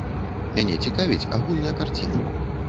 Мяне цікавіць агульная карціна.